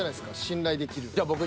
信頼できる。